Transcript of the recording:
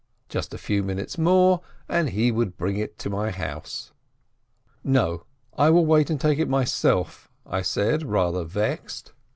Just a few minutes more, and he would bring it to my house. "Xo, I will wait and take it myself," I said, rather vexed.